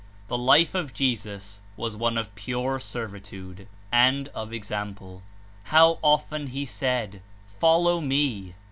The life of Jesus was one of pure servitude, and of example; how often He said "Follow Me."